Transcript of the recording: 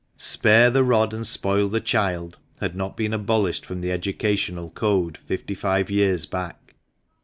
"Spare the rod and spoil the child " had not been abolished from the educational code fifty five years back.